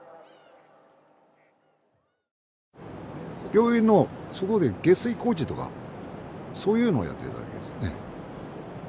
病院のそこで下水工事とかそういうのをやってたわけですね。